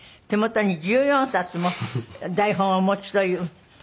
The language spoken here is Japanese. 手元に１４冊も台本をお持ちという。